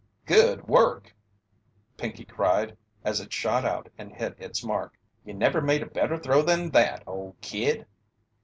"Good work!" Pinkey cried as it shot out and hit its mark. "You never made a better throw than that, old kid!"